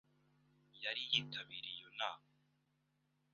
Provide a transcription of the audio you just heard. Yari yitabiriye iyo nama.